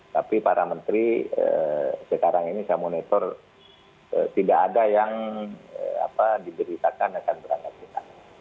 tapi para menteri sekarang ini saya monitor tidak ada yang diberitakan akan berangkat ke sana